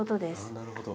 なるほど。